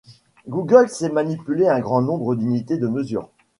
Google sait manipuler un grand nombre d'unités de mesure.